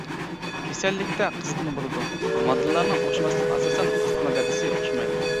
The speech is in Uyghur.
كېسەللىكتە قىزىتما بولىدۇ، ماددىلارنىڭ ئوخشىماسلىقىغا ئاساسەن قىزىتما دەرىجىسى ئوخشىمايدۇ.